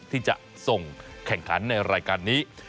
ที่จะส่งแข่งขันในรายการนี้